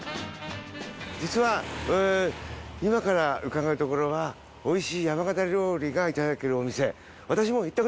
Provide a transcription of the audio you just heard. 実は今から伺うところは美味しい山形料理がいただけるお店。